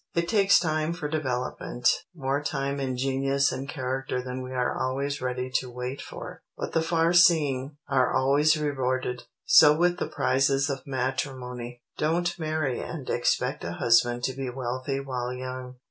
It takes time for development; more time in genius and character than we are always ready to wait for; but the far seeing are always rewarded, so with the prizes of matrimony. _Don't marry and expect a husband to be wealthy while young.